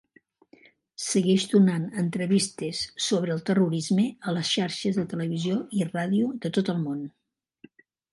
Segueix donant entrevistes sobre el terrorisme a les xarxes de televisió i radio de tot el món.